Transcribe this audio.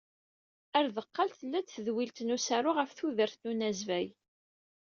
Ar deqqal, tella-d tedwilt n usaru ɣef tudert n unazbay.